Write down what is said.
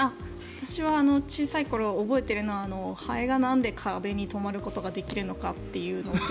私は小さい頃覚えているのはハエがなんで壁に止まることができるのかというので。